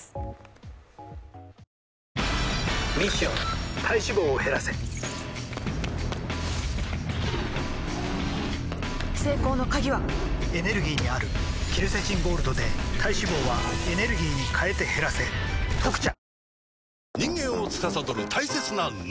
ミッション体脂肪を減らせ成功の鍵はエネルギーにあるケルセチンゴールドで体脂肪はエネルギーに変えて減らせ「特茶」人間を司る大切な「脳」